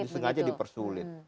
sengaja dipersulit begitu